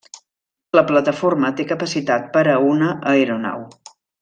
La plataforma té capacitat per a una aeronau.